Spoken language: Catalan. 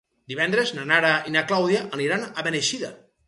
Divendres na Nara i na Clàudia aniran a Beneixida.